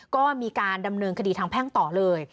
ก็มีการดำเนินคดีทางแพ่งต่อเลย